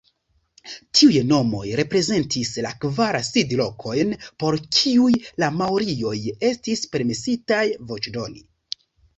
Tiuj nomoj reprezentis la kvar sidlokojn por kiuj la maorioj estis permesitaj voĉdoni.